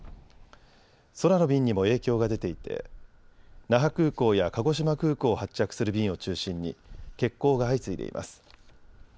空の便にも影響が出ていて那覇空港や鹿児島空港を発着する便を中心に欠航が相次いでいます。